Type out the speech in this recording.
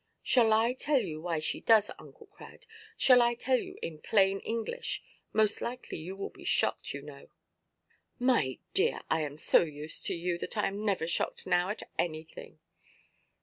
"Shall I tell you why she does, Uncle Crad? Shall I tell you in plain English? Most likely you will be shocked, you know." "My dear, I am so used to you, that I am never shocked now at anything."